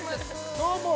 ◆どうも。